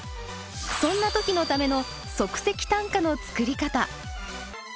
そんな時のための即席担架の作り方。